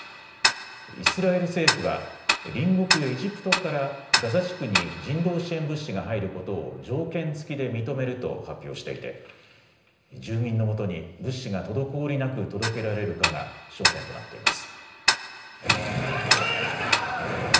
イスラエル政府は隣国エジプトからガザ地区に人道支援物資が入ることを条件付きで認めると発表していて住民のもとに物資が滞りなく届けられるかが焦点となっています。